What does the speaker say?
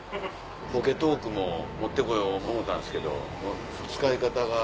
ポケトークも持って来よう思うたんですけど使い方が。